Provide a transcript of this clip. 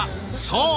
そう！